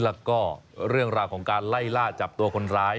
แล้วก็เรื่องราวของการไล่ล่าจับตัวคนร้าย